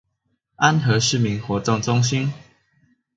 安和市民活動中心